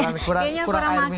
ini kurang air minum